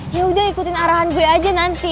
ya udah ikutin arahan gue aja nanti